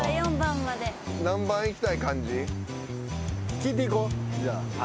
聞いていこう。